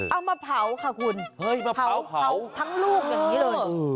เอามาเผาค่ะคุณเฮ้ยมาเผาทั้งลูกอย่างนี้เลย